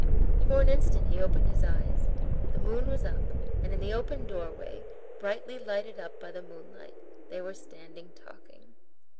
For an instant he opened his eyes: the moon was up, and in the open doorway, brightly lighted up by the moonlight, they were standing talking.